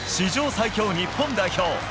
最強日本代表。